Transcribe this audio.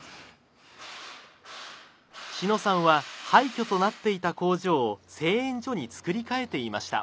志野さんは廃虚となっていた工場を製塩所に造り替えていました。